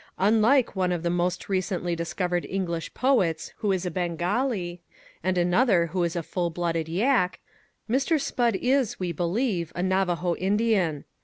Unlike one of the most recently discovered English poets who is a Bengalee, and another who is a full blooded Yak, Mr. Spudd is, we believe, a Navajo Indian.